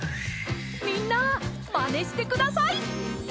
みんなまねしてください！